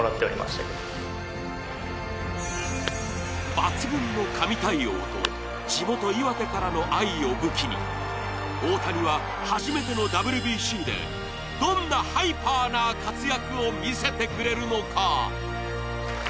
抜群の神対応と地元・岩手からの愛を武器に大谷は初めてのＷＢＣでどんなハイパーな活躍を見せてくれるのか。